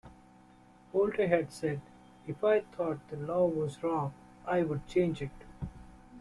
Bolte had said "If I thought the law was wrong I would change it".